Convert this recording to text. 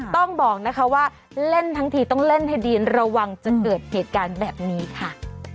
ต้องบอกนะคะว่าเล่นทั้งทีต้องเล่นให้ดีระวังจะเกิดเหตุการณ์แบบนี้ค่ะ